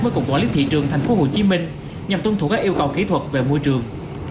với cục quản lý thị trường tp hcm nhằm tuân thủ các yêu cầu kỹ thuật về môi trường